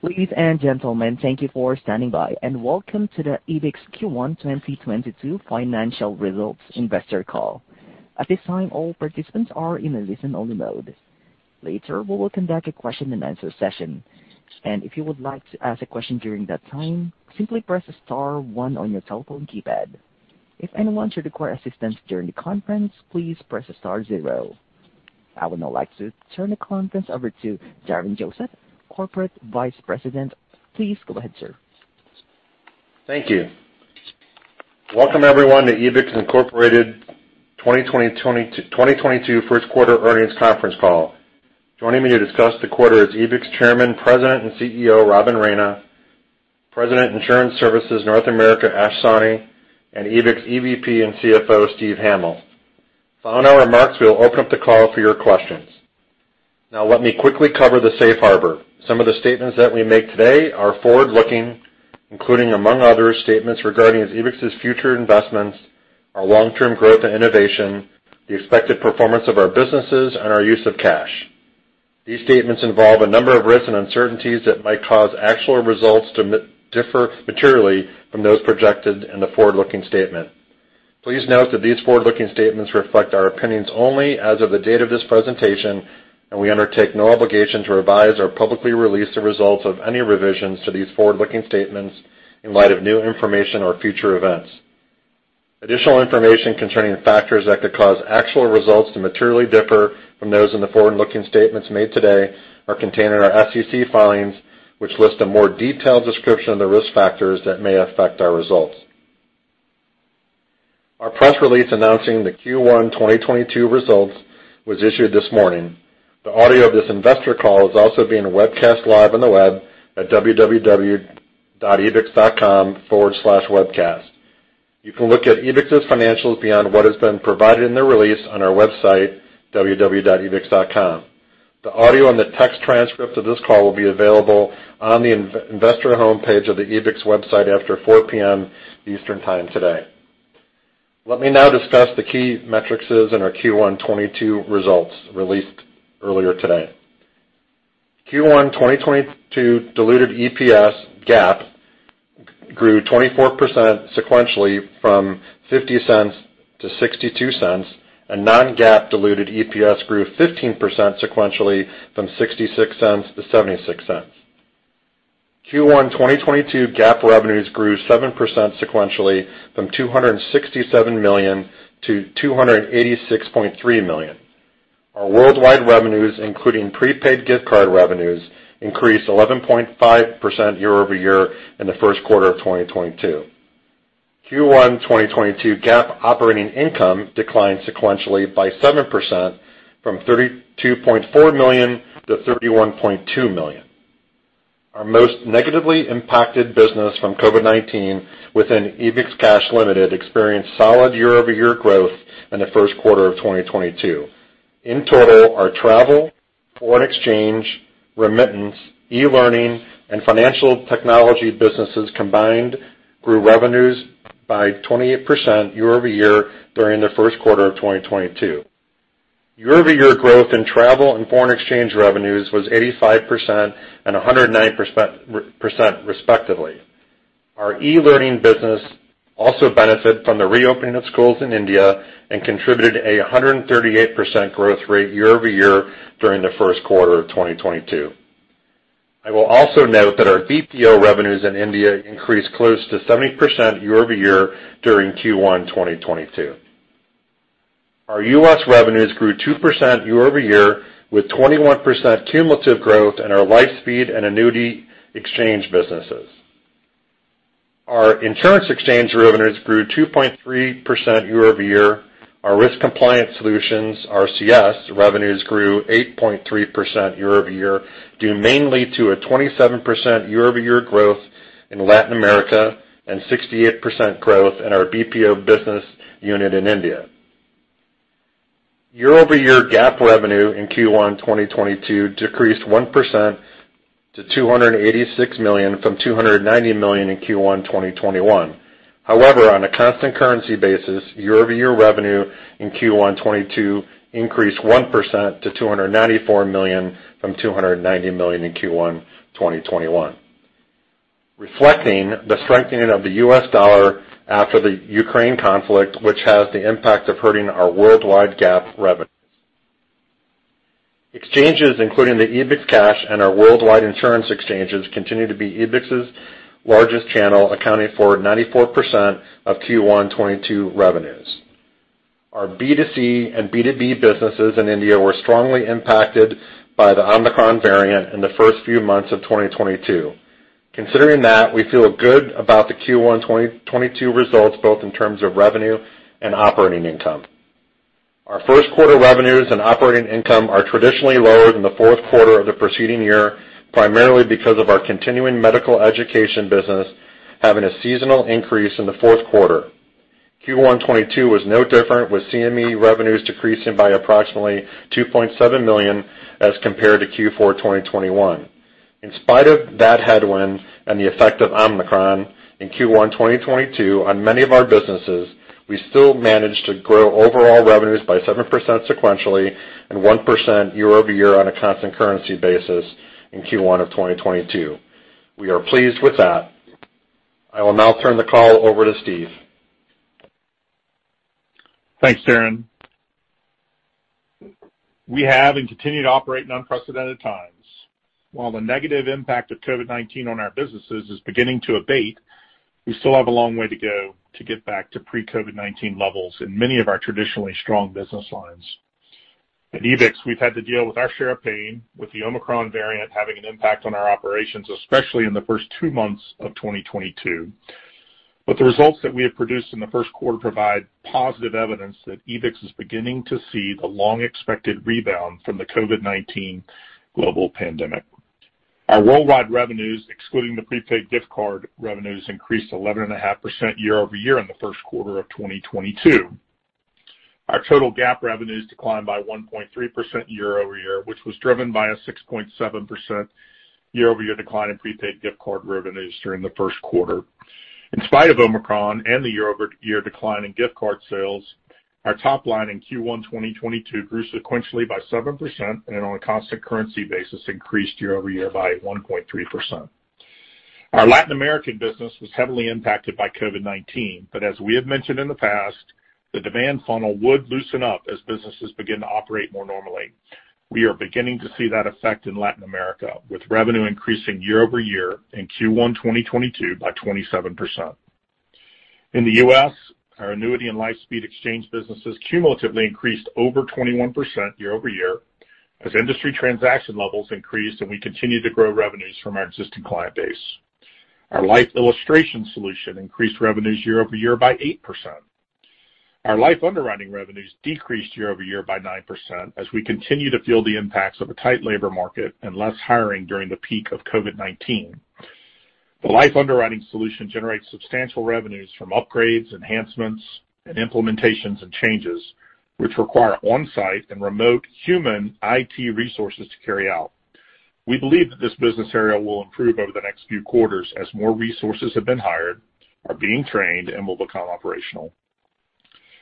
Ladies and gentlemen, thank you for standing by, and welcome to the Ebix Q1 2022 financial results investor call. At this time, all participants are in a listen-only mode. Later, we will conduct a question-and-answer session. If you would like to ask a question during that time, simply press star one on your telephone keypad. If anyone should require assistance during the conference, please press star zero. I would now like to turn the conference over to Darren Joseph, Corporate Vice President. Please go ahead, sir. Thank you. Welcome, everyone, to Ebix Incorporated 2022 first quarter earnings conference call. Joining me to discuss the quarter is Ebix Chairman, President and CEO, Robin Raina, President, Insurance Solutions North America, Ash Sawhney, and Ebix EVP and CFO, Steve Hamil. Following our remarks, we'll open up the call for your questions. Now, let me quickly cover the safe harbor. Some of the statements that we make today are forward-looking, including among others, statements regarding Ebix's future investments, our long-term growth and innovation, the expected performance of our businesses, and our use of cash. These statements involve a number of risks and uncertainties that might cause actual results to differ materially from those projected in the forward-looking statement. Please note that these forward-looking statements reflect our opinions only as of the date of this presentation, and we undertake no obligation to revise or publicly release the results of any revisions to these forward-looking statements in light of new information or future events. Additional information concerning the factors that could cause actual results to materially differ from those in the forward-looking statements made today are contained in our SEC filings, which list a more detailed description of the risk factors that may affect our results. Our press release announcing the Q1 2022 results was issued this morning. The audio of this investor call is also being webcast live on the web at www.ebix.com/webcast. You can look at Ebix's financials beyond what has been provided in the release on our website, www.ebix.com. The audio and the text transcript of this call will be available on the Investor homepage of the Ebix website after 4:00 P.M. Eastern Time today. Let me now discuss the key metrics and our Q1 2022 results released earlier today. Q1 2022 diluted EPS GAAP grew 24% sequentially from $0.50 to $0.62, and non-GAAP diluted EPS grew 15% sequentially from $0.66 to $0.76. Q1 2022 GAAP revenues grew 7% sequentially from $267 million to $286.3 million. Our worldwide revenues, including prepaid gift card revenues, increased 11.5% year-over-year in the first quarter of 2022. Q1 2022 GAAP operating income declined sequentially by 7% from $32.4 million to $31.2 million. Our most negatively impacted business from COVID-19 within EbixCash Limited experienced solid year-over-year growth in the first quarter of 2022. In total, our travel, foreign exchange, remittance, e-learning, and financial technology businesses combined grew revenues by 28% year-over-year during the first quarter of 2022. Year-over-year growth in travel and foreign exchange revenues was 85% and 109% respectively. Our e-learning business also benefited from the reopening of schools in India and contributed a 138% growth rate year-over-year during the first quarter of 2022. I will also note that our BPO revenues in India increased close to 70% year-over-year during Q1 2022. Our U.S. revenues grew 2% year-over-year, with 21% cumulative growth in our LifeSpeed and annuity exchange businesses. Our insurance exchange revenues grew 2.3% year-over-year. Our risk compliance solutions, RCS, revenues grew 8.3% year-over-year, due mainly to a 27% year-over-year growth in Latin America and 68% growth in our BPO business unit in India. Year-over-year GAAP revenue in Q1 2022 decreased 1% to $286 million from $290 million in Q1 2021. However, on a constant currency basis, year-over-year revenue in Q1 2022 increased 1% to $294 million from $290 million in Q1 2021, reflecting the strengthening of the U.S. dollar after the Ukraine conflict, which has the impact of hurting our worldwide GAAP revenues. Exchanges, including the EbixCash and our worldwide insurance exchanges, continue to be Ebix's largest channel, accounting for 94% of Q1 2022 revenues. Our B2C and B2B businesses in India were strongly impacted by the Omicron variant in the first few months of 2022. Considering that, we feel good about the Q1 2022 results, both in terms of revenue and operating income. Our first quarter revenues and operating income are traditionally lower than the fourth quarter of the preceding year, primarily because of our continuing medical education business having a seasonal increase in the fourth quarter. Q1 2022 was no different, with CME revenues decreasing by approximately $2.7 million as compared to Q4 2021. In spite of that headwind and the effect of Omicron in Q1 2022 on many of our businesses, we still managed to grow overall revenues by 7% sequentially and 1% year-over-year on a constant currency basis in Q1 of 2022. We are pleased with that. I will now turn the call over to Steve Hamill. Thanks, Darren. We have and continue to operate in unprecedented times. While the negative impact of COVID-19 on our businesses is beginning to abate, we still have a long way to go to get back to pre-COVID-19 levels in many of our traditionally strong business lines. At Ebix, we've had to deal with our share of pain, with the Omicron variant having an impact on our operations, especially in the first two months of 2022. The results that we have produced in the first quarter provide positive evidence that Ebix is beginning to see the long-expected rebound from the COVID-19 global pandemic. Our worldwide revenues, excluding the prepaid gift card revenues, increased 11.5% year-over-year in the first quarter of 2022. Our total GAAP revenues declined by 1.3% year-over-year, which was driven by a 6.7% year-over-year decline in prepaid gift card revenues during the first quarter. In spite of Omicron and the year-over-year decline in gift card sales, our top line in Q1 2022 grew sequentially by 7%, and on a constant currency basis, increased year-over-year by 1.3%. Our Latin American business was heavily impacted by COVID-19, but as we have mentioned in the past, the demand funnel would loosen up as businesses begin to operate more normally. We are beginning to see that effect in Latin America, with revenue increasing year-over-year in Q1 2022 by 27%. In the U.S., our annuity and LifeSpeed exchange businesses cumulatively increased over 21% year-over-year as industry transaction levels increased and we continued to grow revenues from our existing client base. Our life illustration solution increased revenues year-over-year by 8%. Our life underwriting revenues decreased year-over-year by 9% as we continue to feel the impacts of a tight labor market and less hiring during the peak of COVID-19. The life underwriting solution generates substantial revenues from upgrades, enhancements, and implementations and changes which require on-site and remote human IT resources to carry out. We believe that this business area will improve over the next few quarters as more resources have been hired, are being trained, and will become operational.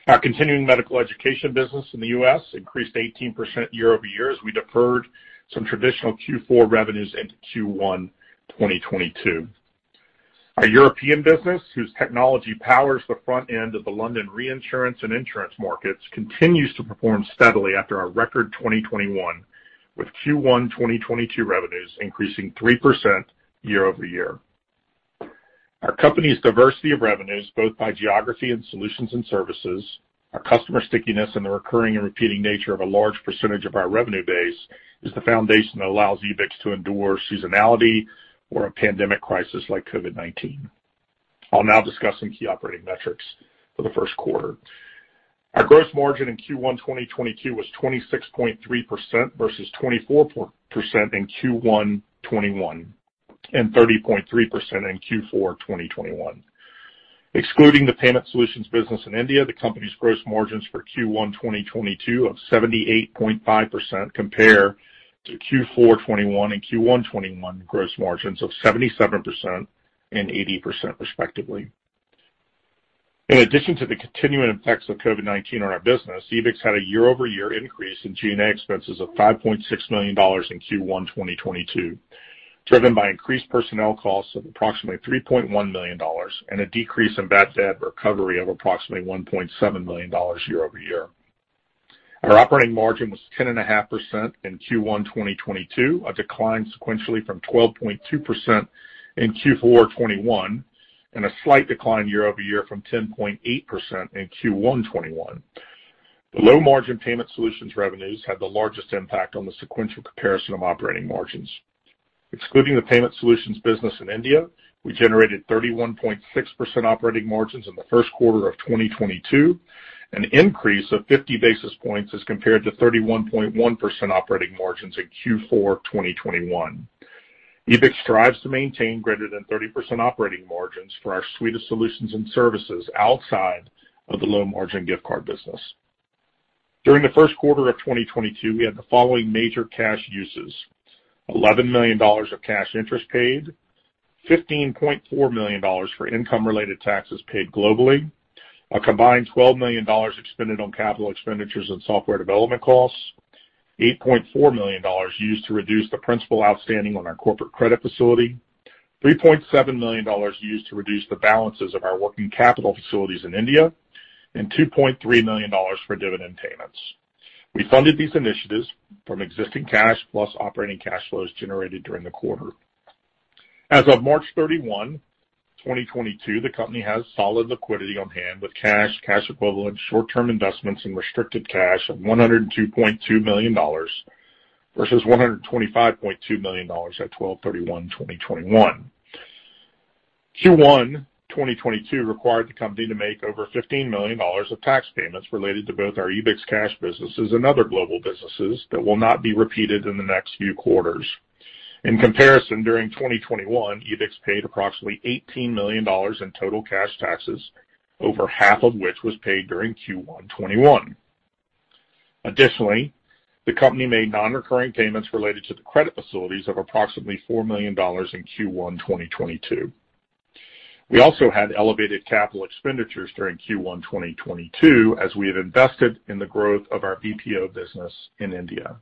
Our continuing medical education business in the U.S. increased 18% year-over-year as we deferred some traditional Q4 revenues into Q1 2022. Our European business, whose technology powers the front end of the London reinsurance and insurance markets, continues to perform steadily after our record 2021, with Q1 2022 revenues increasing 3% year-over-year. Our company's diversity of revenues, both by geography and solutions and services, our customer stickiness, and the recurring and repeating nature of a large percentage of our revenue base is the foundation that allows Ebix to endure seasonality or a pandemic crisis like COVID-19. I'll now discuss some key operating metrics for the first quarter. Our gross margin in Q1 2022 was 26.3% versus 24% in Q1 2021, and 30.3% in Q4 2021. Excluding the payment solutions business in India, the company's gross margins for Q1 2022 of 78.5% compare to Q4 2021 and Q1 2021 gross margins of 77% and 80%, respectively. In addition to the continuing effects of COVID-19 on our business, Ebix had a year-over-year increase in G&A expenses of $5.6 million in Q1 2022, driven by increased personnel costs of approximately $3.1 million and a decrease in bad debt recovery of approximately $1.7 million year-over-year. Our operating margin was 10.5% in Q1 2022, a decline sequentially from 12.2% in Q4 2021, and a slight decline year-over-year from 10.8% in Q1 2021. The low-margin payment solutions revenues had the largest impact on the sequential comparison of operating margins. Excluding the payment solutions business in India, we generated 31.6% operating margins in the first quarter of 2022, an increase of 50 basis points as compared to 31.1% operating margins in Q4 2021. Ebix strives to maintain greater than 30% operating margins for our suite of solutions and services outside of the low-margin gift card business. During the first quarter of 2022, we had the following major cash uses, $11 million of cash interest paid, $15.4 million for income-related taxes paid globally, a combined $12 million expended on capital expenditures and software development costs, $8.4 million used to reduce the principal outstanding on our corporate credit facility, $3.7 million used to reduce the balances of our working capital facilities in India, and $2.3 million for dividend payments. We funded these initiatives from existing cash plus operating cash flows generated during the quarter. As of March 31, 2022, the company has solid liquidity on hand with cash equivalents, short-term investments in restricted cash of $102.2 million versus $125.2 million at December 31, 2021. Q1 2022 required the company to make over $15 million of tax payments related to both our EbixCash businesses and other global businesses that will not be repeated in the next few quarters. In comparison, during 2021, Ebix paid approximately $18 million in total cash taxes, over half of which was paid during Q1 2021. Additionally, the company made non-recurring payments related to the credit facilities of approximately $4 million in Q1 2022. We also had elevated capital expenditures during Q1 2022 as we have invested in the growth of our BPO business in India.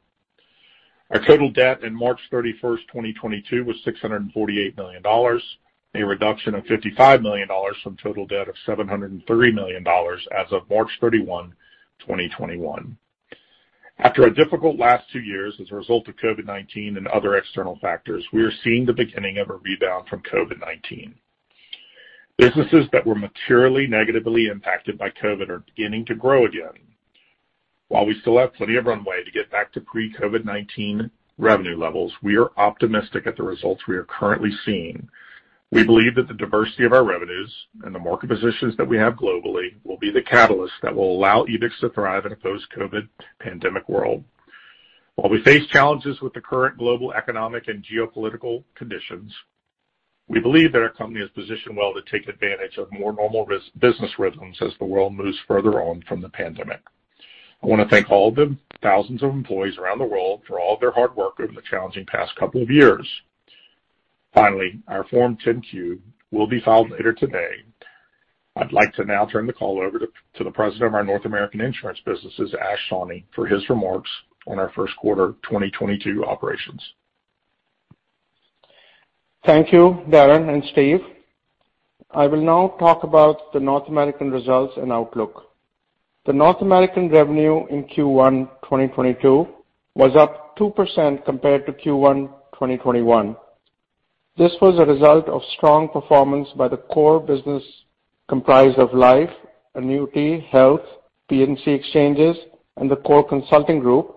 Our total debt in March 31st, 2022 was $648 million, a reduction of $55 million from total debt of $703 million as of March 31, 2021. After a difficult last two years as a result of COVID-19 and other external factors, we are seeing the beginning of a rebound from COVID-19. Businesses that were materially negatively impacted by COVID are beginning to grow again. While we still have plenty of runway to get back to pre-COVID-19 revenue levels, we are optimistic at the results we are currently seeing. We believe that the diversity of our revenues and the market positions that we have globally will be the catalyst that will allow Ebix to thrive in a post-COVID pandemic world. While we face challenges with the current global economic and geopolitical conditions, we believe that our company is positioned well to take advantage of more normal business rhythms as the world moves further on from the pandemic. I wanna thank all the thousands of employees around the world for all of their hard work over the challenging past couple of years. Finally, our Form 10-Q will be filed later today. I'd like to now turn the call over to the President of our North American insurance businesses, Ash Sawhney, for his remarks on our first quarter 2022 operations. Thank you, Darren and Steve. I will now talk about the North American results and outlook. The North American revenue in Q1 2022 was up 2% compared to Q1 2021. This was a result of strong performance by the core business comprised of life, annuity, health, P&C exchanges, and the core consulting group,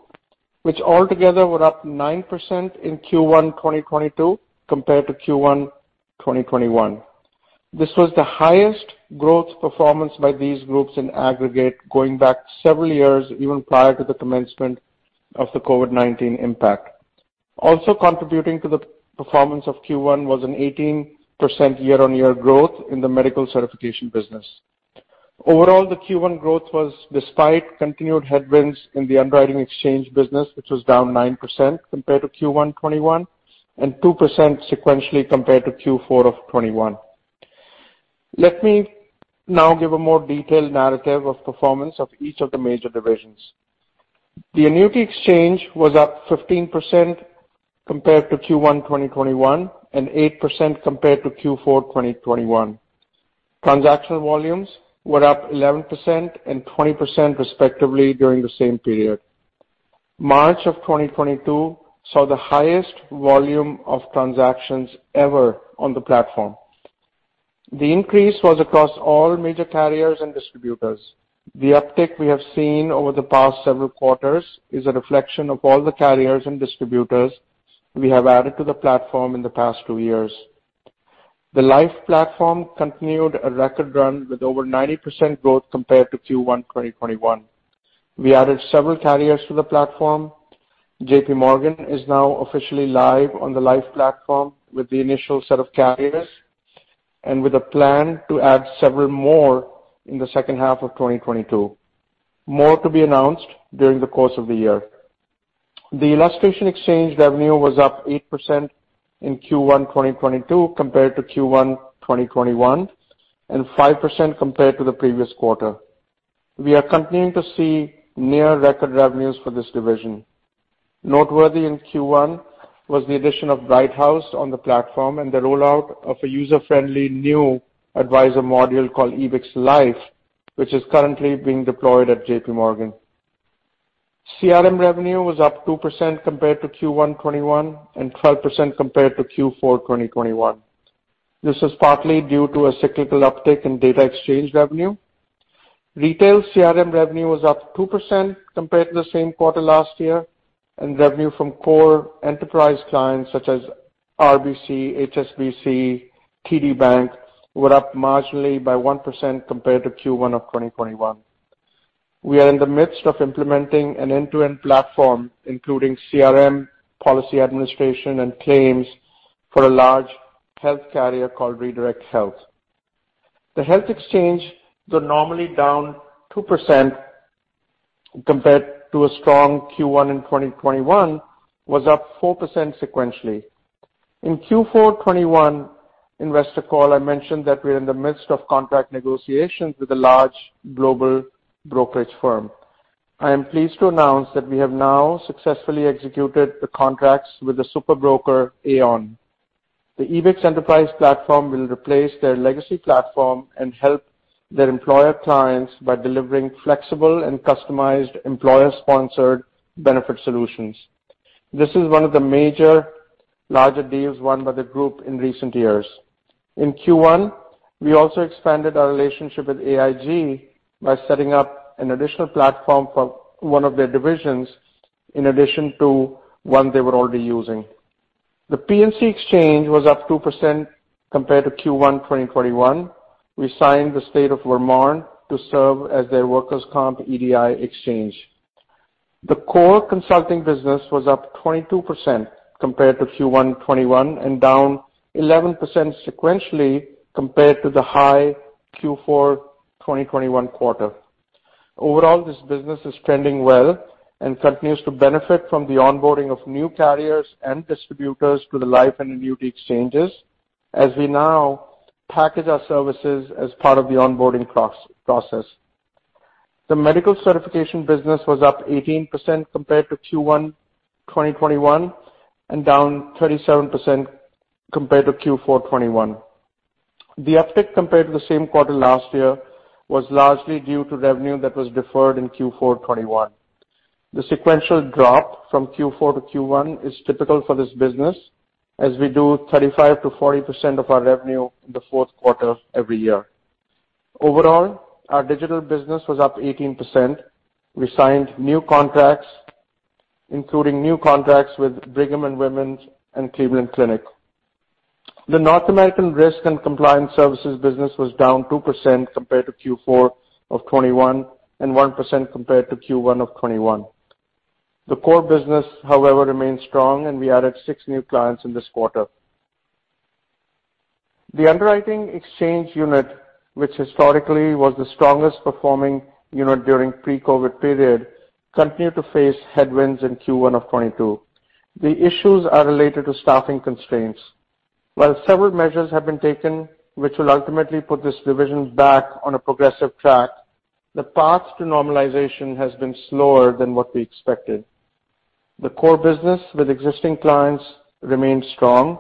which altogether were up 9% in Q1 2022 compared to Q1 2021. This was the highest growth performance by these groups in aggregate going back several years, even prior to the commencement of the COVID-19 impact. Also contributing to the performance of Q1 was an 18% year-over-year growth in the medical certification business. Overall, the Q1 growth was despite continued headwinds in the underwriting exchange business, which was down 9% compared to Q1 2021, and 2% sequentially compared to Q4 of 2021. Let me now give a more detailed narrative of performance of each of the major divisions. The annuity exchange was up 15% compared to Q1 2021, and 8% compared to Q4 2021. Transaction volumes were up 11% and 20% respectively during the same period. March 2022 saw the highest volume of transactions ever on the platform. The increase was across all major carriers and distributors. The uptick we have seen over the past several quarters is a reflection of all the carriers and distributors we have added to the platform in the past two years. The life platform continued a record run with over 90% growth compared to Q1 2021. We added several carriers to the platform. JPMorgan is now officially live on the life platform with the initial set of carriers, and with a plan to add several more in the second half of 2022. More to be announced during the course of the year. The illustration exchange revenue was up 8% in Q1 2022 compared to Q1 2021, and 5% compared to the previous quarter. We are continuing to see near record revenues for this division. Noteworthy in Q1 was the addition of Brighthouse on the platform and the rollout of a user-friendly new advisor module called Ebix Life, which is currently being deployed at JPMorgan. CRM revenue was up 2% compared to Q1 2021, and 12% compared to Q4 2021. This is partly due to a cyclical uptick in data exchange revenue. Retail CRM revenue was up 2% compared to the same quarter last year, and revenue from core enterprise clients such as RBC, HSBC, TD Bank were up marginally by 1% compared to Q1 of 2021. We are in the midst of implementing an end-to-end platform, including CRM, policy administration, and claims for a large health carrier called Redirect Health. The health exchange, though normally down 2% compared to a strong Q1 in 2021, was up 4% sequentially. In Q4 2021 investor call, I mentioned that we're in the midst of contract negotiations with a large global brokerage firm. I am pleased to announce that we have now successfully executed the contracts with the super broker, Aon. The EbixEnterprise platform will replace their legacy platform and help their employer clients by delivering flexible and customized employer-sponsored benefit solutions. This is one of the major larger deals won by the group in recent years. In Q1, we also expanded our relationship with AIG by setting up an additional platform for one of their divisions in addition to one they were already using. The P&C exchange was up 2% compared to Q1 2021. We signed the state of Vermont to serve as their workers' comp EDI exchange. The core consulting business was up 22% compared to Q1 2021, and down 11% sequentially compared to the high Q4 2021 quarter. Overall, this business is trending well and continues to benefit from the onboarding of new carriers and distributors to the life and annuity exchanges as we now package our services as part of the onboarding process. The medical certification business was up 18% compared to Q1 2021 and down 37% compared to Q4 2021. The uptick compared to the same quarter last year was largely due to revenue that was deferred in Q4 2021. The sequential drop from Q4 to Q1 is typical for this business, as we do 35%-40% of our revenue in the fourth quarter every year. Overall, our digital business was up 18%. We signed new contracts, including new contracts with Brigham and Women's and Cleveland Clinic. The North American Risk and Compliance Services business was down 2% compared to Q4 of 2021 and 1% compared to Q1 of 2021. The core business, however, remains strong, and we added six new clients in this quarter. The underwriting exchange unit, which historically was the strongest performing unit during pre-COVID period, continued to face headwinds in Q1 of 2022. The issues are related to staffing constraints. While several measures have been taken which will ultimately put this division back on a progressive track, the path to normalization has been slower than what we expected. The core business with existing clients remains strong.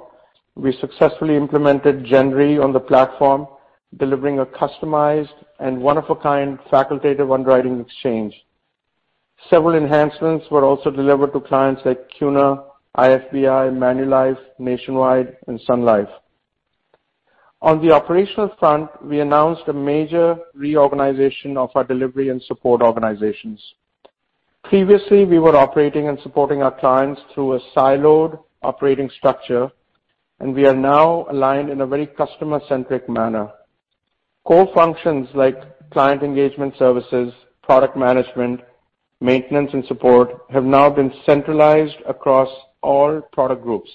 We successfully implemented Gentry on the platform, delivering a customized and one-of-a-kind facultative underwriting exchange. Several enhancements were also delivered to clients like CUNA, IFBI, Manulife, Nationwide, and Sun Life. On the operational front, we announced a major reorganization of our delivery and support organizations. Previously, we were operating and supporting our clients through a siloed operating structure, and we are now aligned in a very customer-centric manner. Core functions like client engagement services, product management, maintenance, and support have now been centralized across all product groups.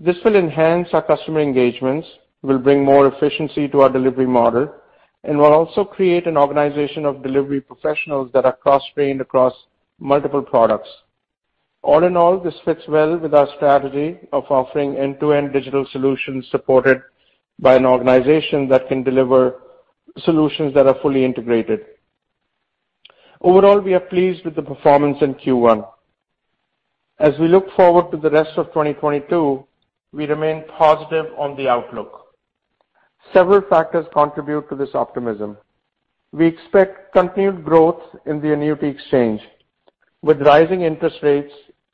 This will enhance our customer engagements, will bring more efficiency to our delivery model, and will also create an organization of delivery professionals that are cross-trained across multiple products. All in all, this fits well with our strategy of offering end-to-end digital solutions supported by an organization that can deliver solutions that are fully integrated. Overall, we are pleased with the performance in Q1. As we look forward to the rest of 2022, we remain positive on the outlook. Several factors contribute to this optimism. We expect continued growth in the annuity exchange. With rising interest rates,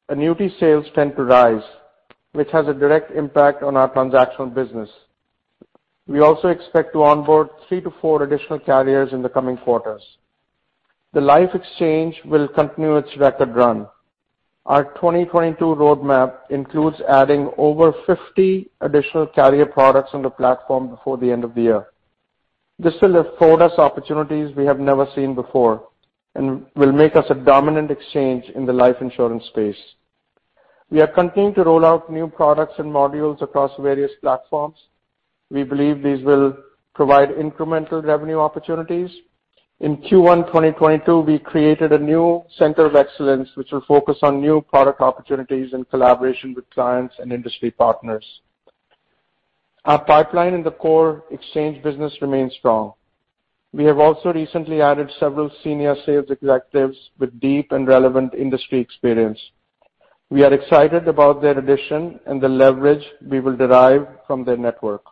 annuity sales tend to rise, which has a direct impact on our transactional business. We also expect to onboard three to four additional carriers in the coming quarters. The life exchange will continue its record run. Our 2022 roadmap includes adding over 50 additional carrier products on the platform before the end of the year. This will afford us opportunities we have never seen before and will make us a dominant exchange in the life insurance space. We are continuing to roll out new products and modules across various platforms. We believe these will provide incremental revenue opportunities. In Q1 2022, we created a new center of excellence which will focus on new product opportunities in collaboration with clients and industry partners. Our pipeline in the core exchange business remains strong. We have also recently added several senior sales executives with deep and relevant industry experience. We are excited about their addition and the leverage we will derive from their network.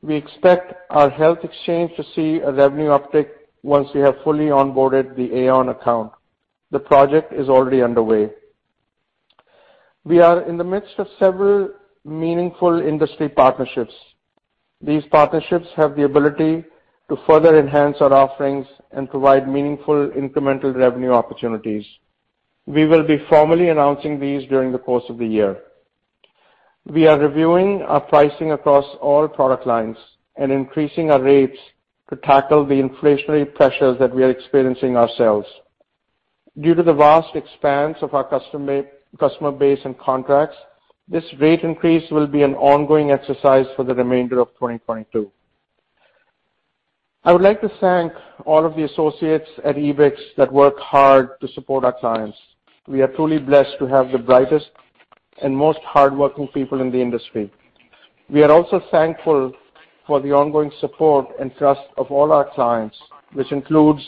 We expect our health exchange to see a revenue uptick once we have fully onboarded the Aon account. The project is already underway. We are in the midst of several meaningful industry partnerships. These partnerships have the ability to further enhance our offerings and provide meaningful incremental revenue opportunities. We will be formally announcing these during the course of the year. We are reviewing our pricing across all product lines and increasing our rates to tackle the inflationary pressures that we are experiencing ourselves. Due to the vast expanse of our customer base and contracts, this rate increase will be an ongoing exercise for the remainder of 2022. I would like to thank all of the associates at Ebix that work hard to support our clients. We are truly blessed to have the brightest and most hardworking people in the industry. We are also thankful for the ongoing support and trust of all our clients, which includes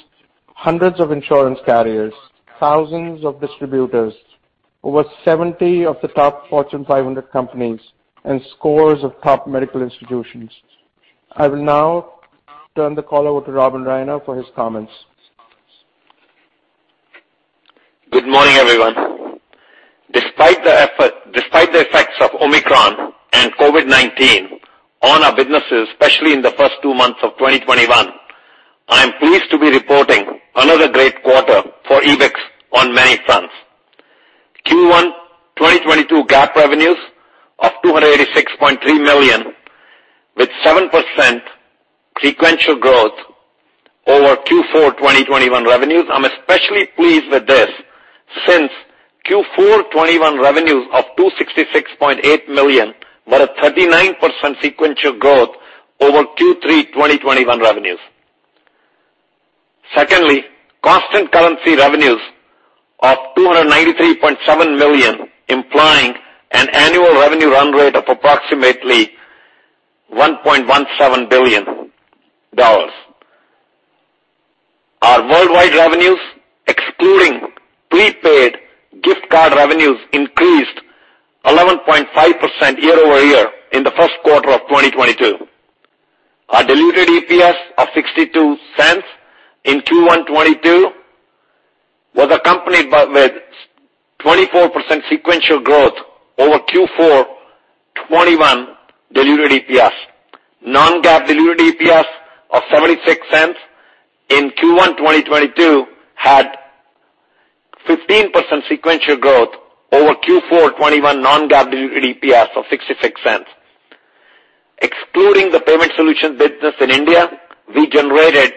hundreds of insurance carriers, thousands of distributors, over 70 of the top Fortune 500 companies, and scores of top medical institutions. I will now turn the call over to Robin Raina for his comments. Good morning, everyone. Despite the effects of Omicron and COVID-19 on our businesses, especially in the first two months of 2021, I am pleased to be reporting another great quarter for Ebix on many fronts. Q1 2022 GAAP revenues of $286.3 million, with 7% sequential growth over Q4 2021 revenues. I'm especially pleased with this since Q4 2021 revenues of $266.8 million were a 39% sequential growth over Q3 2021 revenues. Secondly, constant currency revenues of $293.7 million of approximately $1.17 billion. Our worldwide revenues, excluding prepaid gift card revenues, increased 11.5% year-over-year in the first quarter of 2022. Our diluted EPS of $0.62 in Q1 2022 was accompanied by with 24% sequential growth over Q4 2021 diluted EPS. Non-GAAP diluted EPS of $0.76 in Q1 2022 had 15% sequential growth over Q4 2021 non-GAAP diluted EPS of $0.66. Excluding the payment solutions business in India, we generated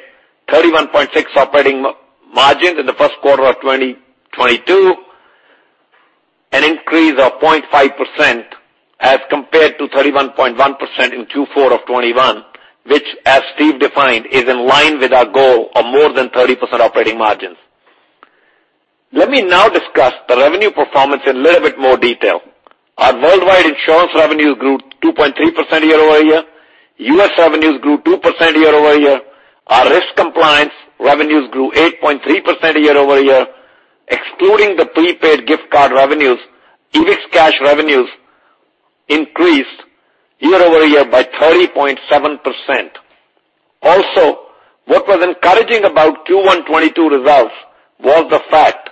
31.6 operating margins in the first quarter of 2022, an increase of 0.5% as compared to 31.1% in Q4 of 2021, which as Steve defined, is in line with our goal of more than 30% operating margins. Let me now discuss the revenue performance in a little bit more detail. Our worldwide insurance revenues grew 2.3% year-over-year. U.S. revenues grew 2% year-over-year. Our risk compliance revenues grew 8.3% year-over-year. Excluding the prepaid gift card revenues, EbixCash revenues increased year-over-year by 30.7%. What was encouraging about Q1 2022 results was the fact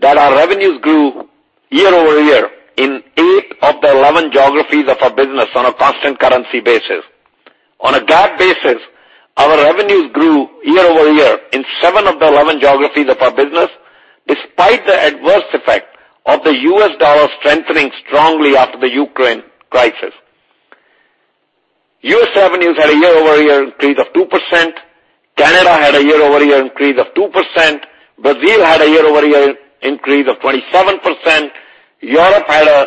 that our revenues grew year-over-year in eight of the 11 geographies of our business on a constant currency basis. On a GAAP basis, our revenues grew year-over-year in seven of the 11 geographies of our business, despite the adverse effect of the U.S. dollar strengthening strongly after the Ukraine crisis. U.S. revenues had a year-over-year increase of 2%. Canada had a year-over-year increase of 2%. Brazil had a year-over-year increase of 27%. Europe had an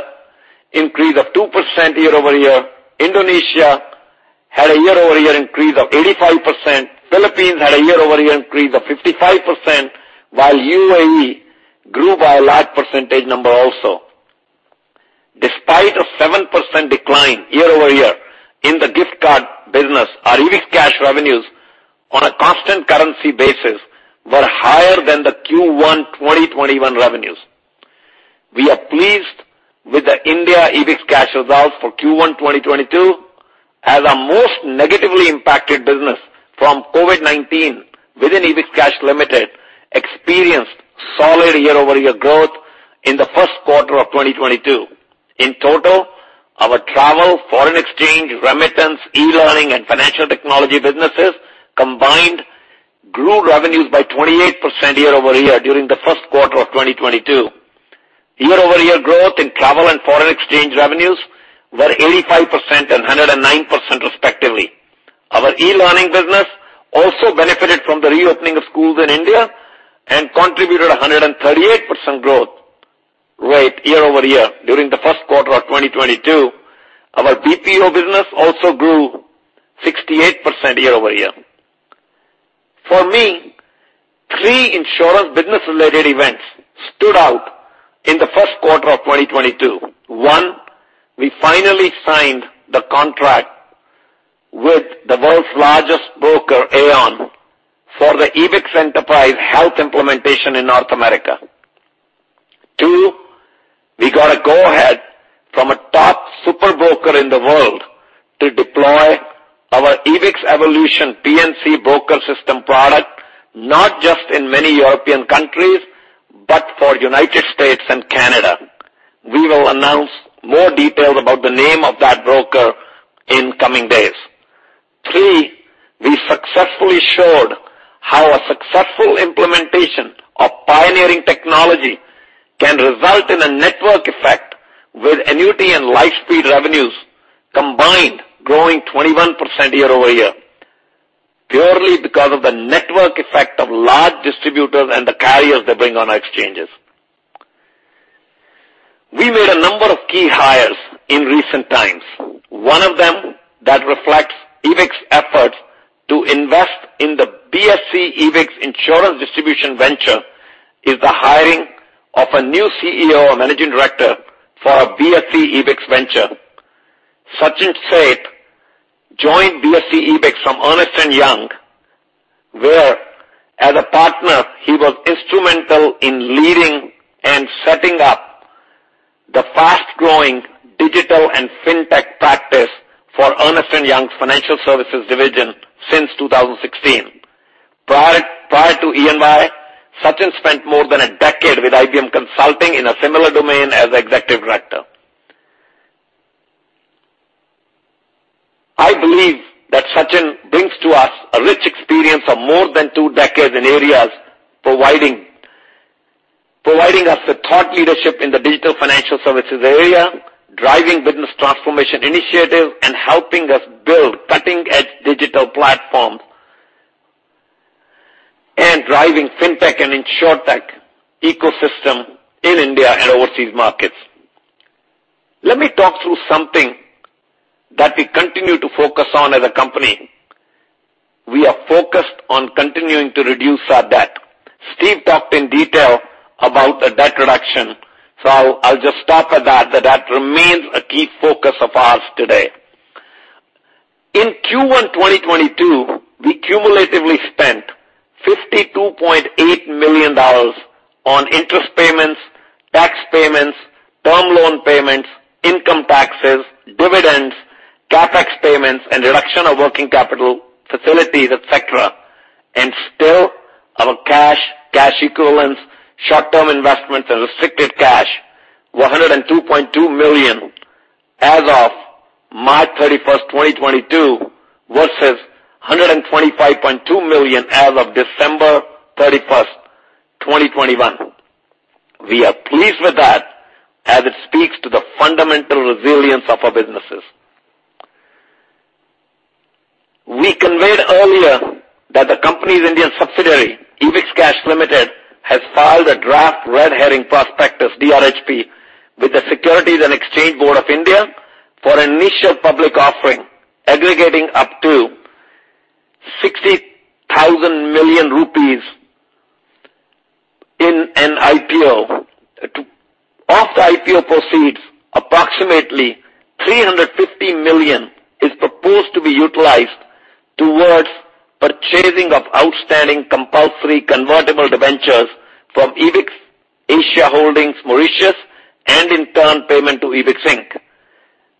increase of 2% year-over-year. Indonesia had a year-over-year increase of 85%. Philippines had a year-over-year increase of 55%, while UAE grew by a large percentage number also. Despite a 7% decline year-over-year in the gift card business, our EbixCash revenues on a constant currency basis were higher than the Q1 2021 revenues. We are pleased with the India EbixCash results for Q1 2022 as our most negatively impacted business from COVID-19 within EbixCash Limited experienced solid year-over-year growth in the first quarter of 2022. In total, our travel, foreign exchange, remittance, e-learning and financial technology businesses combined grew revenues by 28% year-over-year during the first quarter of 2022. Year-over-year growth in travel and foreign exchange revenues were 85% and 109%, respectively. Our e-learning business also benefited from the reopening of schools in India and contributed a 138% growth rate year-over-year during the first quarter of 2022. Our BPO business also grew 68% year-over-year. For me, three insurance business related events stood out in the first quarter of 2022. One, we finally signed the contract with the world's largest broker, Aon, for the EbixEnterprise Health implementation in North America. Two, we got a go ahead from a top super broker in the world to deploy our Ebix Evolution P&C broker system product, not just in many European countries, but in the United States and Canada. We will announce more details about the name of that broker in coming days. Three, we successfully showed how a successful implementation of pioneering technology can result in a network effect with annuity and LifeSpeed revenues combined growing 21% year-over-year, purely because of the network effect of large distributors and the carriers they bring on our exchanges. We made a number of key hires in recent times. One of them that reflects Ebix efforts to invest in the BSE Ebix insurance distribution venture is the hiring of a new CEO and managing director for our BSE Ebix venture. Sachin Seth joined BSE Ebix from Ernst & Young, where as a partner he was instrumental in leading and setting up the fast growing digital and fintech practice for Ernst & Young's financial services division since 2016. Prior to E&Y, Sachin spent more than a decade with IBM Consulting in a similar domain as executive director. I believe that Sachin brings to us a rich experience of more than two decades in areas providing us the thought leadership in the digital financial services area, driving business transformation initiative, and helping us build cutting-edge digital platform and driving fintech and insuretech ecosystem in India and overseas markets. Let me talk through some key that we continue to focus on as a company. We are focused on continuing to reduce our debt. Steve talked in detail about the debt reduction, so I'll just stop at that remains a key focus of ours today. In Q1 2022, we cumulatively spent $52.8 million on interest payments, tax payments, term loan payments, income taxes, dividends, CapEx payments, and reduction of working capital facilities, et cetera. Still, our cash equivalents, short-term investments, and restricted cash were $102.2 million as of March 31st, 2022 versus $125.2 million as of December 31st, 2021. We are pleased with that as it speaks to the fundamental resilience of our businesses. We conveyed earlier that the company's Indian subsidiary, EbixCash Limited, has filed a draft red herring prospectus, DRHP, with the Securities and Exchange Board of India for an initial public offering aggregating up to 60,000 million rupees in an IPO. Of the IPO proceeds, approximately 350 million is proposed to be utilized towards purchasing of outstanding compulsory convertible debentures from Ebix Asia Holdings, Mauritius, and in turn, payment to Ebix Inc,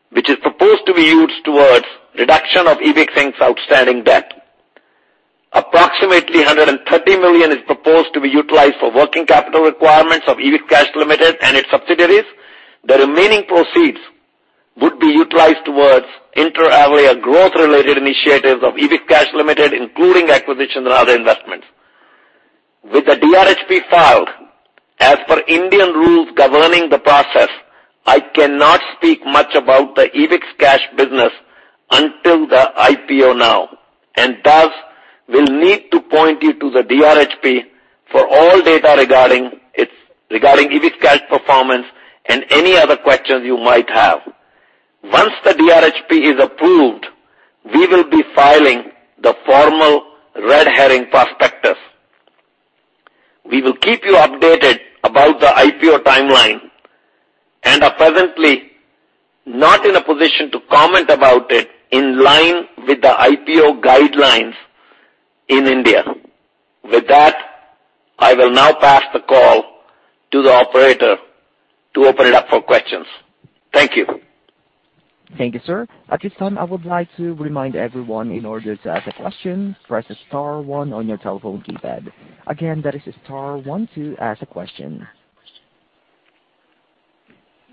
which is proposed to be used towards reduction of Ebix Inc's outstanding debt. Approximately 130 million is proposed to be utilized for working capital requirements of EbixCash Limited and its subsidiaries. The remaining proceeds would be utilized towards inter-area growth related initiatives of EbixCash Limited, including acquisitions and other investments. With the DRHP filed, as per Indian rules governing the process, I cannot speak much about the EbixCash business until the IPO now, and thus will need to point you to the DRHP for all data regarding EbixCash performance and any other questions you might have. Once the DRHP is approved, we will be filing the formal red herring prospectus. We will keep you updated about the IPO timeline and are presently not in a position to comment about it in line with the IPO guidelines in India. With that, I will now pass the call to the operator to open it up for questions. Thank you. Thank you, sir. At this time, I would like to remind everyone, in order to ask a question, press star one on your telephone keypad. Again, that is star one to ask a question.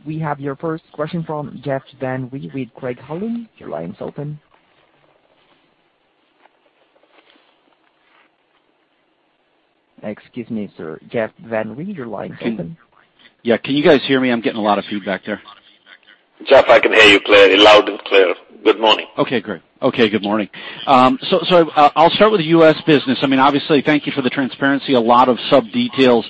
We have your first question from Jeff Van Rhee with Craig-Hallum. Your line is open. Excuse me, sir. Jeff Van Rhee, your line is open. Yeah. Can you guys hear me? I'm getting a lot of feedback there. Jeff, I can hear you clearly. Loud and clear. Good morning. Okay, great. Good morning. I'll start with the U.S. business. I mean, obviously, thank you for the transparency. A lot of sub-details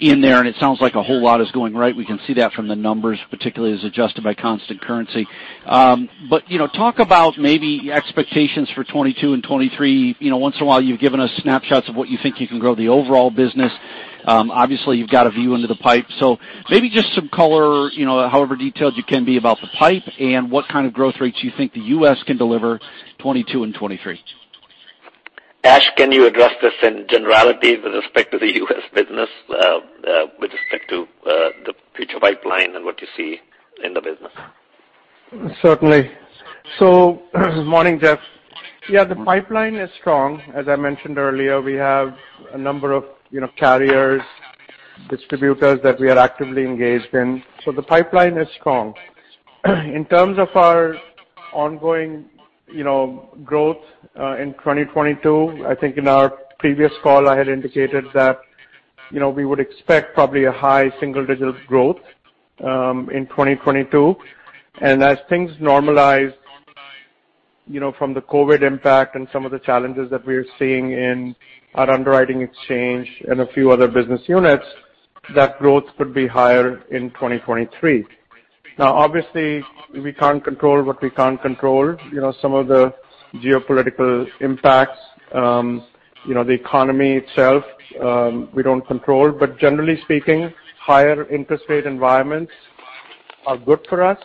in there, and it sounds like a whole lot is going right. We can see that from the numbers, particularly as adjusted by constant currency. You know, talk about maybe expectations for 2022 and 2023. You know, once in a while you've given us snapshots of what you think you can grow the overall business. Obviously, you've got a view into the pipeline, so maybe just some color, you know, however detailed you can be about the pipeline and what kind of growth rates you think the U.S. can deliver 2022 and 2023. Ash, can you address this in generality with respect to the U.S. business, the future pipeline and what you see in the business? Certainly. Morning, Jeff. Yeah, the pipeline is strong. As I mentioned earlier, we have a number of, you know, carriers, distributors that we are actively engaged in. The pipeline is strong. In terms of our ongoing, you know, growth in 2022, I think in our previous call, I had indicated that, you know, we would expect probably a high single-digit growth in 2022. As things normalize, you know, from the COVID-19 impact and some of the challenges that we're seeing in our underwriting exchange and a few other business units, that growth could be higher in 2023. Now, obviously, we can't control what we can't control. You know, some of the geopolitical impacts, you know, the economy itself, we don't control. Generally speaking, higher interest rate environments are good for us.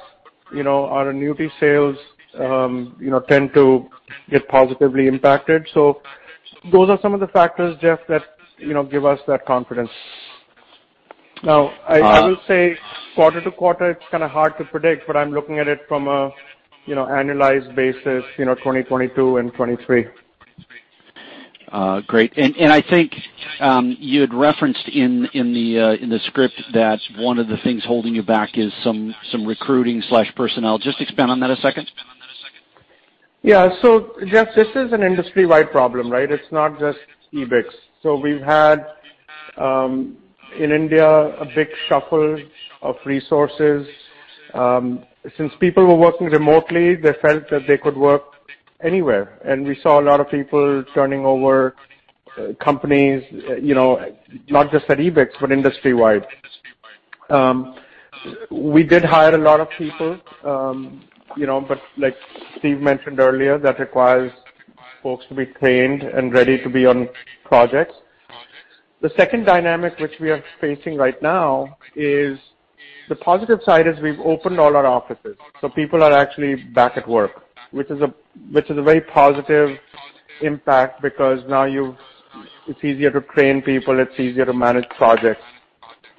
You know, our annuity sales, you know, tend to get positively impacted. Those are some of the factors, Jeff, that, you know, give us that confidence. Now, I will say quarter-to-quarter, it's kinda hard to predict, but I'm looking at it from a, you know, annualized basis, you know, 2022 and 2023. Great. I think you had referenced in the script that one of the things holding you back is some recruiting/personnel. Just expand on that a second. Yeah. Jeff, this is an industry-wide problem, right? It's not just Ebix. We've had in India a big shuffle of resources. Since people were working remotely, they felt that they could work anywhere. We saw a lot of people turning over companies, you know, not just at Ebix, but industry-wide. We did hire a lot of people, you know, but like Steve mentioned earlier, that requires folks to be trained and ready to be on projects. The positive side is we've opened all our offices, so people are actually back at work, which is a very positive impact because it's easier to train people, it's easier to manage projects.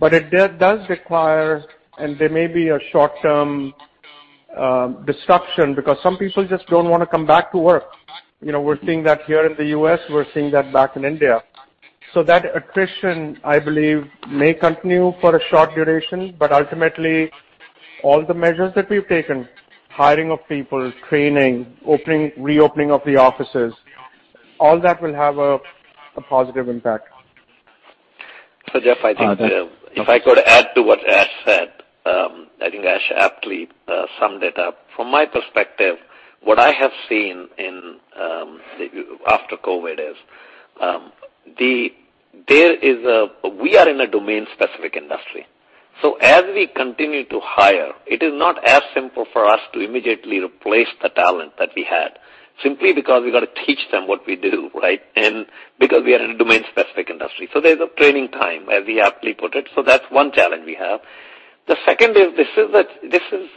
It does require, and there may be a short-term disruption because some people just don't wanna come back to work. You know, we're seeing that here in the U.S., we're seeing that back in India. That attrition, I believe, may continue for a short duration, but ultimately, all the measures that we've taken, hiring of people, training, reopening of the offices, all that will have a positive impact. Jeff, I think if I could add to what Ash said, I think Ash aptly summed it up. From my perspective, what I have seen after COVID is we are in a domain-specific industry. As we continue to hire, it is not as simple for us to immediately replace the talent that we had, simply because we've got to teach them what we do, right? And because we are in a domain-specific industry. There's a training time, as we aptly put it. That's one challenge we have. The second is this is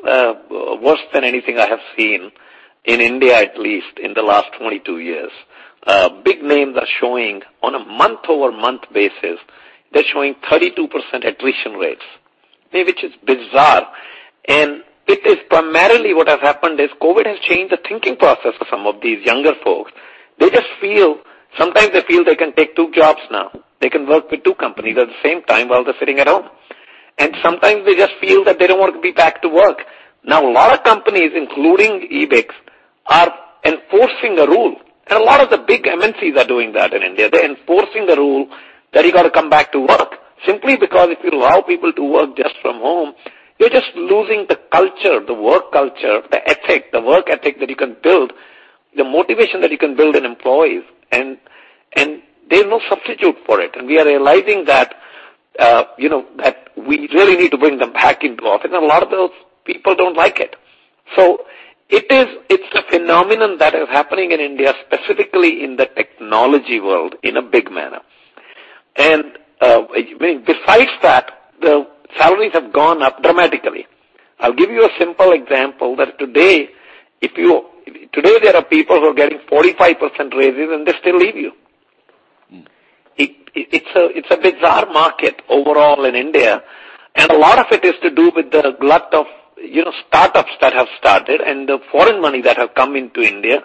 worse than anything I have seen in India, at least in the last 22 years. Big names are showing on a month-over-month basis, they're showing 32% attrition rates, okay? Which is bizarre. It is primarily what has happened is COVID has changed the thinking process for some of these younger folks. They just feel. Sometimes they feel they can take two jobs now. They can work with two companies at the same time while they're sitting at home. Sometimes they just feel that they don't want to be back to work. Now, a lot of companies, including Ebix, are enforcing a rule, and a lot of the big MNCs are doing that in India. They're enforcing the rule that you gotta come back to work simply because if you allow people to work just from home, you're just losing the culture, the work culture, the ethic, the work ethic that you can build, the motivation that you can build in employees and there's no substitute for it. We are realizing that, you know, that we really need to bring them back into office, and a lot of those people don't like it. It is a phenomenon that is happening in India, specifically in the technology world, in a big manner. Besides that, the salaries have gone up dramatically. I'll give you a simple example. Today, there are people who are getting 45% raises and they still leave you. Mm. It's a bizarre market overall in India, and a lot of it is to do with the glut of, you know, startups that have started and the foreign money that has come into India,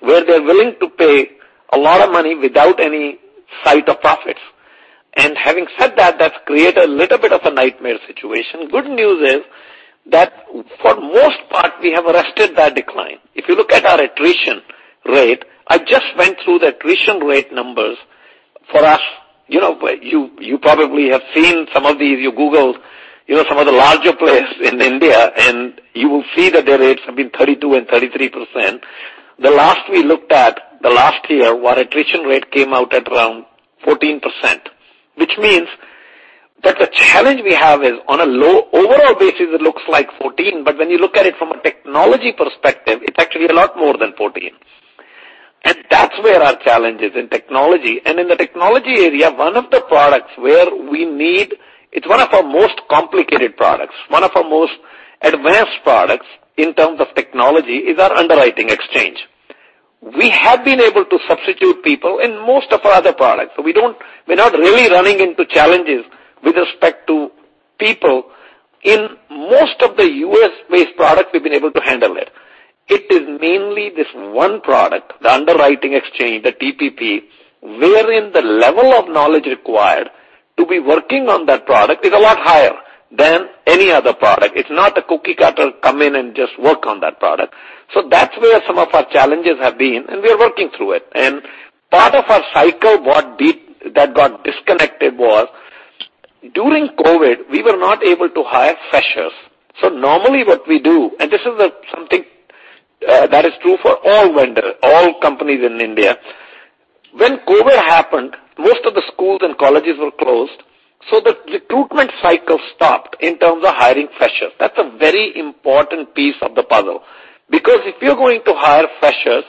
where they're willing to pay a lot of money without any sign of profits. Having said that's created a little bit of a nightmare situation. Good news is that for most part, we have arrested that decline. If you look at our attrition rate, I just went through the attrition rate numbers for us. You know, you probably have seen some of these. You Google, you know, some of the larger players in India, and you will see that their rates have been 32% and 33%. The last year we looked at, our attrition rate came out at around 14%, which means that the challenge we have is on a low overall basis. It looks like 14%, but when you look at it from a technology perspective, it's actually a lot more than 14%. That's where our challenge is in technology. In the technology area, it's one of our most complicated products. One of our most advanced products in terms of technology is our underwriting exchange. We have been able to substitute people in most of our other products, so we're not really running into challenges with respect to people. In most of the U.S.-based product, we've been able to handle it. It is mainly this one product, the underwriting exchange, the TPP, wherein the level of knowledge required to be working on that product is a lot higher than any other product. It's not a cookie-cutter, come in and just work on that product. That's where some of our challenges have been, and we are working through it. Part of our cycle that got disconnected was during COVID, we were not able to hire freshers. Normally what we do, and this is something that is true for all vendors, all companies in India. When COVID happened, most of the schools and colleges were closed, so the recruitment cycle stopped in terms of hiring freshers. That's a very important piece of the puzzle. Because if you're going to hire freshers,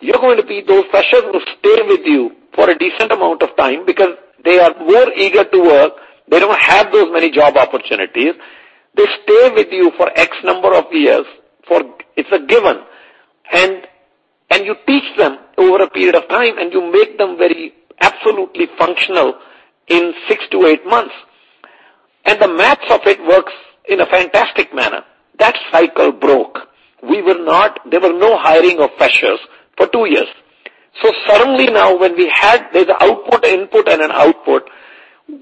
you're going to be- Those freshers will stay with you for a decent amount of time because they are more eager to work. They don't have those many job opportunities. They stay with you for X number of years. It's a given. You teach them over a period of time, and you make them very absolutely functional in 6-8 months. The math of it works in a fantastic manner. That cycle broke. There were no hiring of freshers for two years. Suddenly now when we had, there's an input and an output.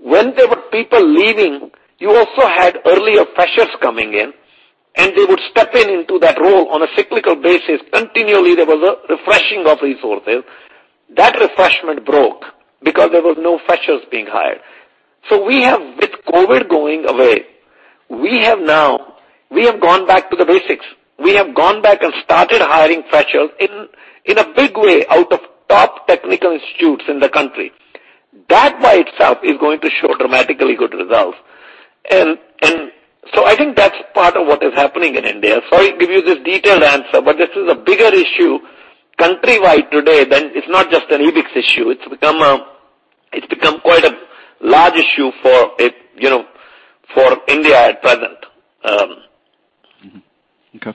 When there were people leaving, you also had earlier freshers coming in, and they would step in into that role on a cyclical basis. Continually, there was a refreshing of resources. That refreshment broke because there was no freshers being hired. We have, with COVID going away, gone back to the basics. We have gone back and started hiring freshers in a big way out of top technical institutes in the country. That by itself is going to show dramatically good results. I think that's part of what is happening in India. Sorry to give you this detailed answer, but this is a bigger issue countrywide today. It's not just an Ebix issue. It's become quite a large issue for, you know, for India at present. Okay.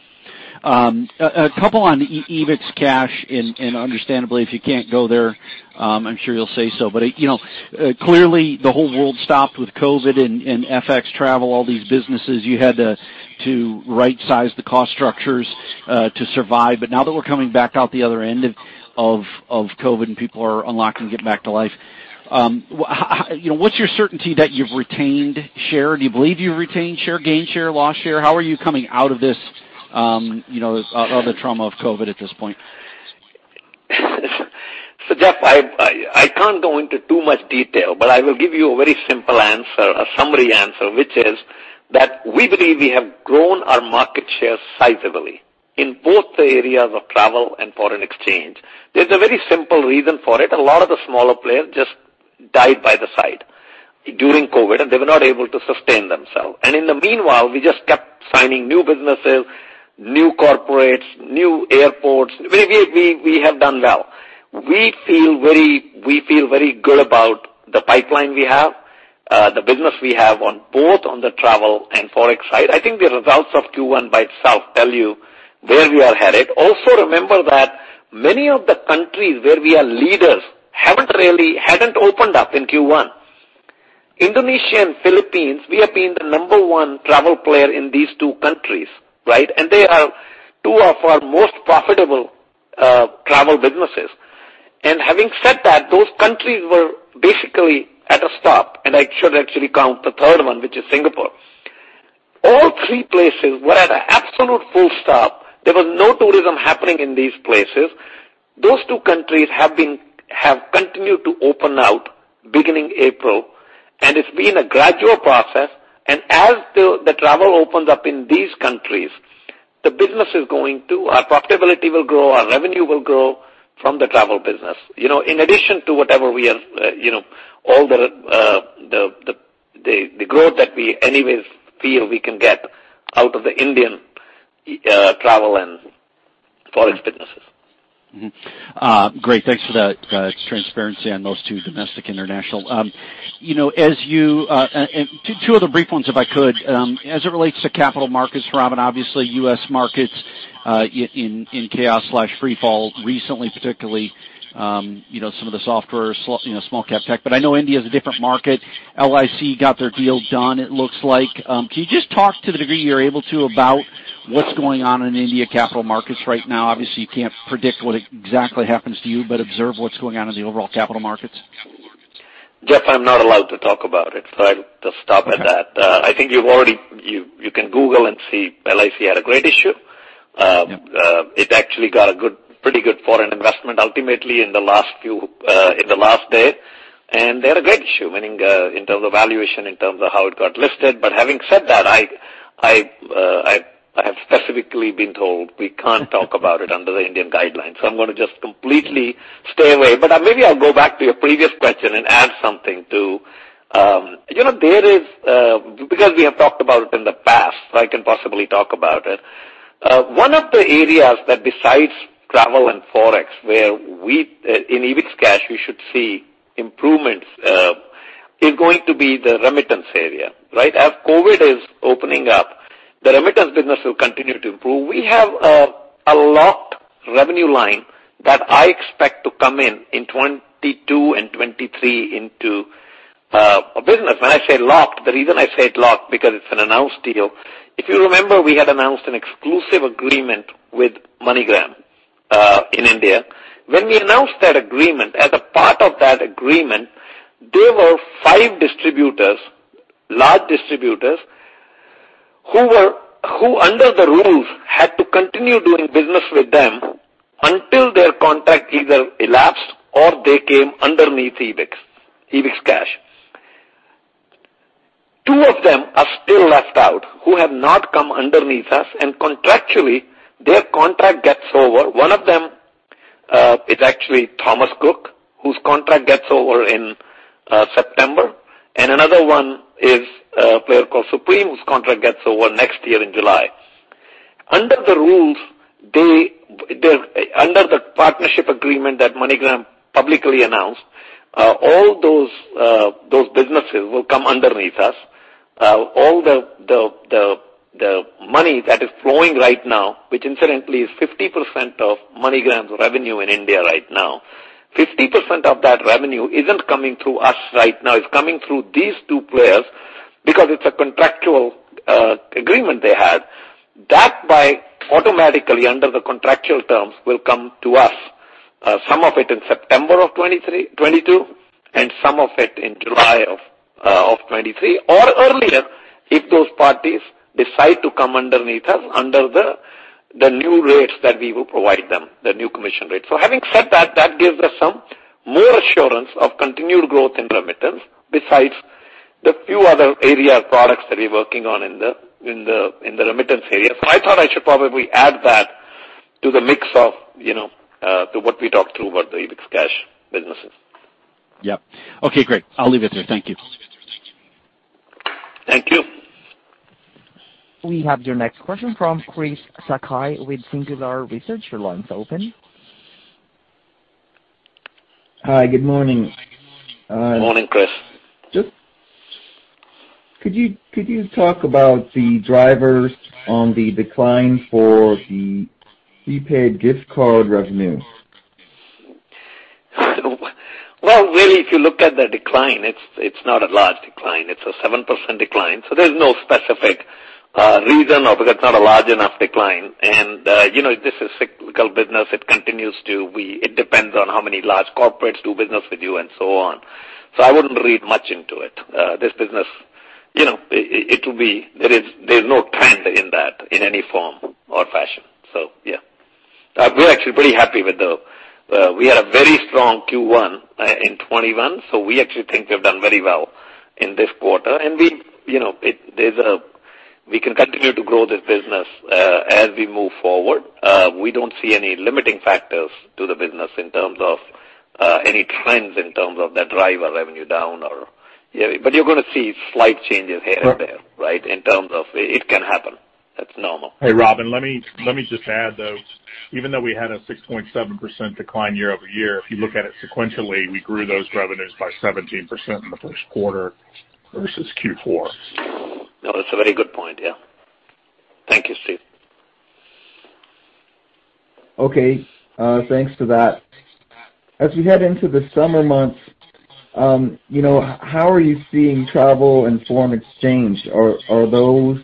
A couple on EbixCash and understandably, if you can't go there, I'm sure you'll say so. You know, clearly the whole world stopped with COVID and FX travel, all these businesses. You had to right-size the cost structures to survive. Now that we're coming back out the other end of COVID and people are unlocking, getting back to life, you know, what's your certainty that you've retained share? Do you believe you've retained share, gained share, lost share? How are you coming out of this, other trauma of COVID at this point? Jeff, I can't go into too much detail, but I will give you a very simple answer, a summary answer, which is that we believe we have grown our market share sizably in both the areas of travel and foreign exchange. There's a very simple reason for it. A lot of the smaller players just died by the side during COVID, and they were not able to sustain themselves. In the meanwhile, we just kept signing new businesses, new corporates, new airports. We have done well. We feel very good about the pipeline we have, the business we have on both the travel and Forex side. I think the results of Q1 by itself tell you where we are headed. Also remember that many of the countries where we are leaders hadn't opened up in Q1. Indonesia and Philippines, we have been the number one travel player in these two countries, right? They are two of our most profitable travel businesses. Having said that, those countries were basically at a stop, and I should actually count the third one, which is Singapore. All three places were at an absolute full stop. There was no tourism happening in these places. Those two countries have continued to open out beginning April, and it's been a gradual process. As the travel opens up in these countries, the business is going too. Our profitability will grow, our revenue will grow from the travel business. You know, in addition to whatever we are, you know, all the growth that we anyways feel we can get out of the Indian travel and Forex businesses. Great. Thanks for that, transparency on those two, domestic, international. You know, as you. Two other brief ones, if I could. As it relates to capital markets, Robin, obviously U.S. markets in chaos/freefall recently, particularly, you know, some of the software, small cap tech. I know India is a different market. LIC got their deal done, it looks like. Can you just talk to the degree you're able to about what's going on in India capital markets right now? Obviously, you can't predict what exactly happens to you, but observe what's going on in the overall capital markets. Jeff, I'm not allowed to talk about it, so I'll just stop at that. Okay. I think you can Google and see LIC had a great issue. Yep. It actually got a good, pretty good foreign investment ultimately in the last day. They had a great issue, meaning, in terms of valuation, in terms of how it got listed. Having said that, I have specifically been told we can't talk about it under the Indian guidelines. I'm gonna just completely stay away. Maybe I'll go back to your previous question and add something to. You know, there is, because we have talked about it in the past, so I can possibly talk about it. One of the areas that besides travel and Forex, where we, in EbixCash, we should see improvements, is going to be the remittance area, right? As COVID is opening up, the remittance business will continue to improve. We have a locked revenue line that I expect to come in in 2022 and 2023 into our business. When I say locked, the reason I say it locked, because it's an announced deal. If you remember, we had announced an exclusive agreement with MoneyGram in India. When we announced that agreement, as a part of that agreement, there were five distributors, large distributors, who under the rules had to continue doing business with them until their contract either elapsed or they came underneath Ebix, EbixCash. Two of them are still left out, who have not come underneath us, and contractually, their contract gets over. One of them is actually Thomas Cook, whose contract gets over in September. Another one is a player called Supreme, whose contract gets over next year in July. Under the partnership agreement that MoneyGram publicly announced, all those businesses will come underneath us. All the money that is flowing right now, which incidentally is 50% of MoneyGram's revenue in India right now, 50% of that revenue isn't coming through us right now. It's coming through these two players because it's a contractual agreement they had. That'll automatically, under the contractual terms, will come to us, some of it in September of 2022, and some of it in July of 2023, or earlier if those parties decide to come underneath us under the new rates that we will provide them, the new commission rates. Having said that gives us some more assurance of continued growth in remittance besides the few other area products that we're working on in the remittance area. I thought I should probably add that to the mix of, you know, to what we talked through about the EbixCash businesses. Yep. Okay, great. I'll leave it there. Thank you. Thank you. We have your next question from Chris Sakai with Singular Research. Your line's open. Hi. Good morning. Morning, Chris. Just could you talk about the drivers on the decline for the prepaid gift card revenue? Well, really, if you look at the decline, it's not a large decline. It's a 7% decline, so there's no specific reason or because it's not a large enough decline. You know, this is cyclical business. It continues to be. It depends on how many large corporates do business with you and so on. So I wouldn't read much into it. This business, you know. There's no trend in that in any form or fashion. So yeah. We're actually pretty happy. We had a very strong Q1 in 2021, so we actually think we've done very well in this quarter. We, you know, can continue to grow this business as we move forward. We don't see any limiting factors to the business in terms of any trends in terms of that drive our revenue down or. Yeah, but you're gonna see slight changes here and there, right? In terms of it can happen. That's normal. Hey, Robin, let me just add, though, even though we had a 6.7% decline year-over-year, if you look at it sequentially, we grew those revenues by 17% in the first quarter versus Q4. No, that's a very good point. Yeah. Thank you, Steve. Okay. Thanks for that. As we head into the summer months, you know, how are you seeing travel and foreign exchange? Are you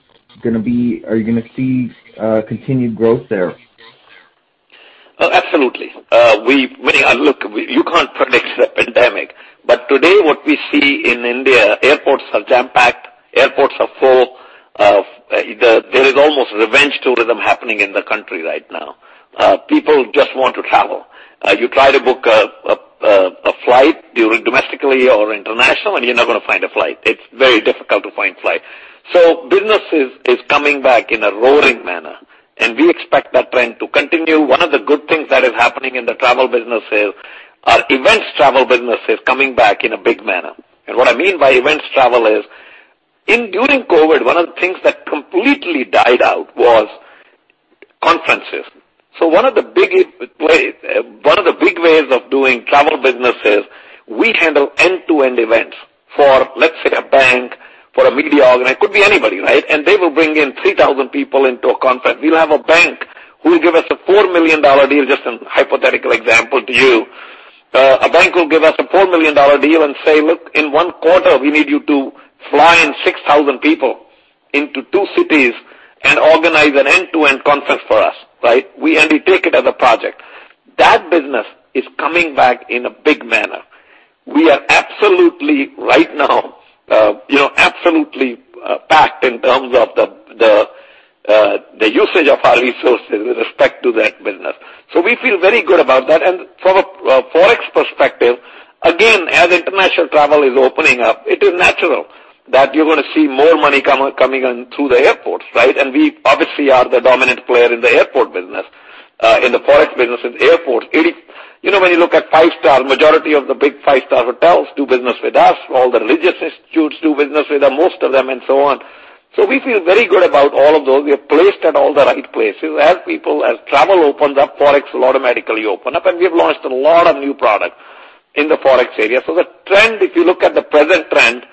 gonna see continued growth there? Oh, absolutely. I mean, look, you can't predict the pandemic, but today what we see in India, airports are jam-packed, airports are full. There is almost revenge tourism happening in the country right now. People just want to travel. You try to book a flight domestically or internationally, and you're never gonna find a flight. It's very difficult to find a flight. Business is coming back in a roaring manner, and we expect that trend to continue. One of the good things that is happening in the travel business is our events travel business is coming back in a big manner. What I mean by events travel is, during COVID, one of the things that completely died out was conferences. One of the big ways of doing travel business is we handle end-to-end events for, let's say, a bank, for a media org, and it could be anybody, right? And they will bring in 3,000 people into a conference. We'll have a bank who will give us a $4 million deal, just a hypothetical example to you. A bank will give us a $4 million deal and say, "Look, in one quarter, we need you to fly in 6,000 people into two cities and organize an end-to-end conference for us, right? We take it as a project. That business is coming back in a big manner. We are absolutely right now, you know, packed in terms of the usage of our resources with respect to that business. We feel very good about that. From a Forex perspective, again, as international travel is opening up, it is natural that you're gonna see more money coming in through the airports, right? We obviously are the dominant player in the airport business in the Forex business in airports. You know, when you look at five-star, majority of the big five-star hotels do business with us, all the religious institutes do business with us, most of them and so on. We feel very good about all of those. We are placed at all the right places. As travel opens up, Forex will automatically open up, and we've launched a lot of new product in the Forex area. The trend, if you look at the present trend,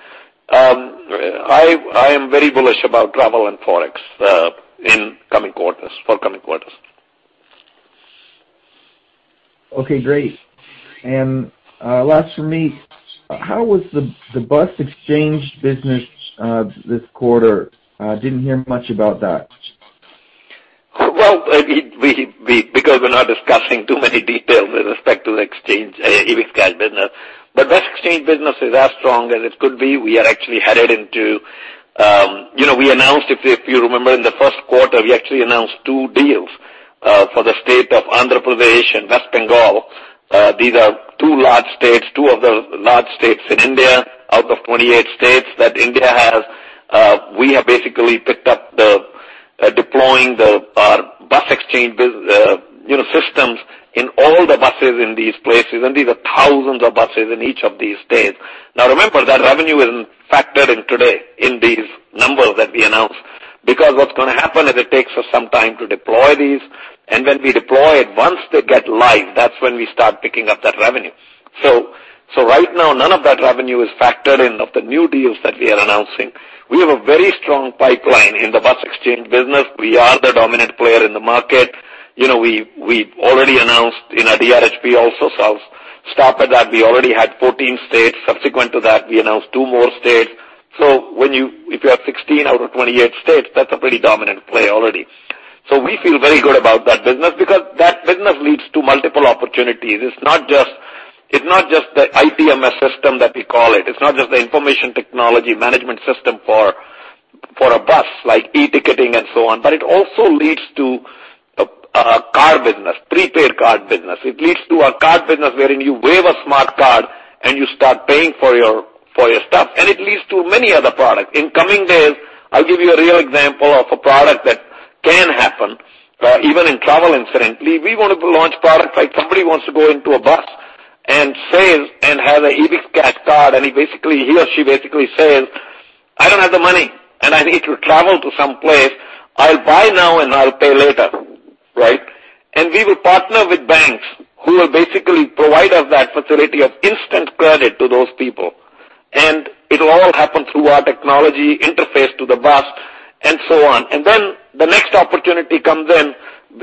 I am very bullish about travel and Forex in coming quarters. Okay, great. Last for me, how was the bus exchange business this quarter? Didn't hear much about that. Well, because we're not discussing too many details with respect to the exchange, EbixCash business. The bus exchange business is as strong as it could be. We are actually headed into. You know, we announced, if you remember in the first quarter, we actually announced two deals, for the state of Andhra Pradesh and West Bengal. These are two large states, two of the large states in India out of 28 states that India has. We have basically picked up deploying our bus exchange systems in all the buses in these places, and these are thousands of buses in each of these states. Now, remember that revenue isn't factored in today in these numbers that we announced because what's gonna happen is it takes us some time to deploy these, and when we deploy it, once they get live, that's when we start picking up that revenue. Right now, none of that revenue is factored in of the new deals that we are announcing. We have a very strong pipeline in the bus exchange business. We are the dominant player in the market. You know, we already announced, you know, DRHP also sells software that we already had 14 states. Subsequent to that, we announced two more states. If you have 16 out of 28 states, that's a pretty dominant play already. We feel very good about that business because that business leads to multiple opportunities. It's not just the IPMS system that we call it. It's not just the information technology management system for a bus like e-ticketing and so on. It also leads to a card business, prepaid card business. It leads to a card business wherein you wave a smart card and you start paying for your stuff. It leads to many other products. In coming days, I'll give you a real example of a product that can happen, even in travel incidentally. We wanna launch products like somebody wants to go into a bus and says and has a EbixCash card, and he or she basically says, "I don't have the money, and I need to travel to some place. I'll buy now and I'll pay later." Right? We will partner with banks who will basically provide us that facility of instant credit to those people. It'll all happen through our technology interface to the bus and so on. Then the next opportunity comes in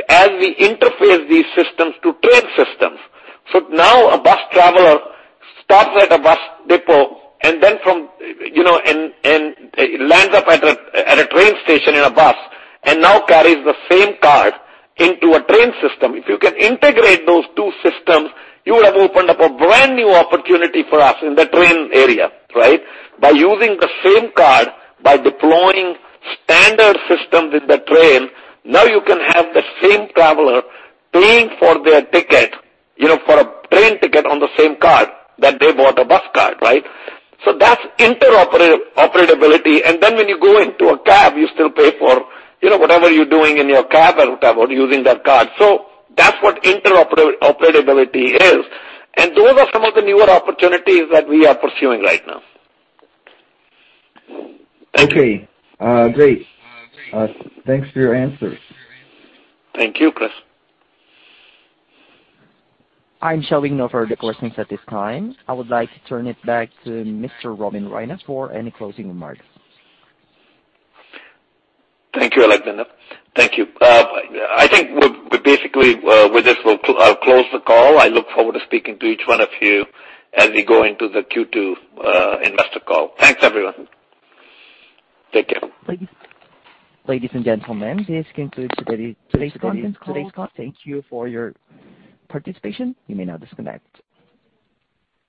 as we interface these systems to train systems. Now a bus traveler stops at a bus depot and then from, you know, and lands up at a train station in a bus and now carries the same card into a train system. If you can integrate those two systems, you would have opened up a brand-new opportunity for us in the train area, right? By using the same card, by deploying standard systems with the train, now you can have the same traveler paying for their ticket, you know, for a train ticket on the same card that they bought a bus card, right? That's interoperability. Then when you go into a cab, you still pay for, you know, whatever you're doing in your cab or whatever using that card. That's what interoperability is. Those are some of the newer opportunities that we are pursuing right now. Okay. Great. Thanks for your answers. Thank you, Chris. I'm showing no further questions at this time. I would like to turn it back to Mr. Robin Raina for any closing remarks. Thank you, Alexander. Thank you. I think we'll basically, with this, I'll close the call. I look forward to speaking to each one of you as we go into the Q2 investor call. Thanks, everyone. Take care. Ladies and gentlemen, this concludes today's conference call. Thank you for your participation. You may now disconnect.